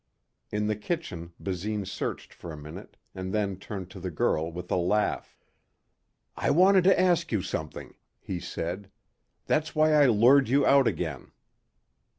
In the kitchen Basine searched for a minute and then turned to the girl with a laugh. "I wanted to ask you something," he said. "That's why I lured you out again."